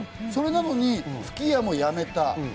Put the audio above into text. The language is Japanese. それなのに吹き矢もやめた。